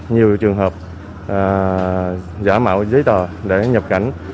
nhiều trường hợp giả mạo giấy tờ để nhập cảnh